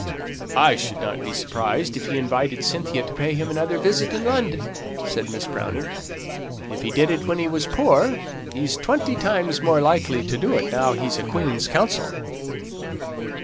"I should not be surprised if he invited Cynthia to pay him another visit in London," said Miss Browning. "If he did it when he was poor, he's twenty times more likely to do it now he's a Queen's counsel."